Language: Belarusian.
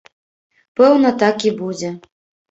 Пэўна, так і будзе.